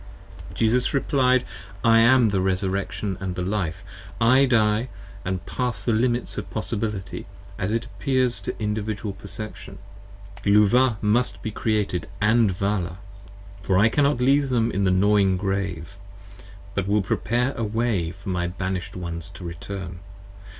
Jesus replied, I am the Resurrection & the Life. I Die & pass the limits of possibility, as it appears 20 To individual perception. Luvah must be Created, And Vala; for I cannot leave them in the gnawing Grave, But will prepare a way for my banished ones to return.